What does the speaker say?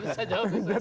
nggak bisa jawab itu